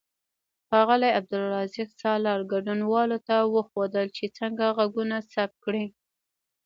ښاغلي عبدالرزاق سالار ګډونوالو ته وښودل چې څنګه غږونه ثبت کړي.